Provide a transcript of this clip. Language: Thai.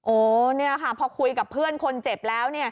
โอ้นี่ค่ะพอคุยกับเพื่อนคนเจ็บแล้ว